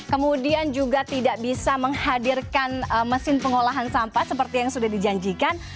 kemudian juga tidak bisa menghadirkan mesin pengolahan sampah seperti yang sudah dijanjikan